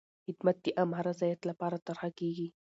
خدمت د عامه رضایت لپاره طرحه کېږي.